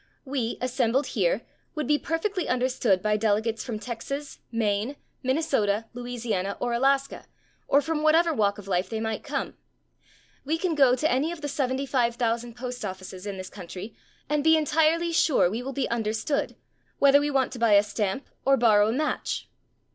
We, assembled here, would be perfectly understood by delegates from Texas, Maine, Minnesota, Louisiana, or Alaska, or from whatever walk of life they might come. We can go to any of the 75,000 postoffices in this country and be entirely sure we will be understood, whether we want to buy a stamp or borrow a match."